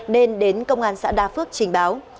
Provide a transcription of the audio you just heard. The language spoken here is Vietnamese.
nên đến công an xã đa phước trình báo